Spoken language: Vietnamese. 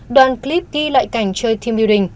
đoàn clip ghi lại cảnh chơi team building